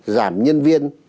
giảm nhân viên